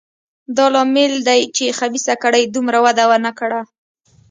دا لامل دی چې خبیثه کړۍ دومره وده ونه کړه.